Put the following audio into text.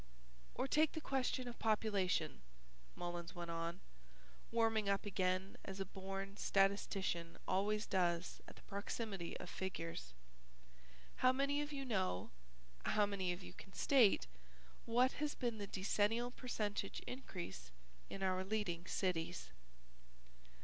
Or take the question of population," Mullins went on, warming up again as a born statistician always does at the proximity of figures, "how many of you know, how many of you can state, what has been the decennial percentage increase in our leading cities